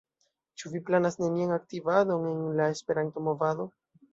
Ĉu vi planas nenian aktivadon en la Esperanto-movado?